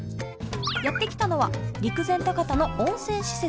やって来たのは陸前高田の温泉施設。